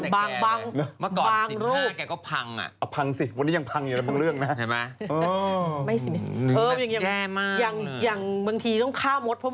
หนูก็ต้องยอมยุงกัดลูกอะก็ตีดก็ตบไง